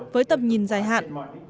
với tầm nhìn dài hạn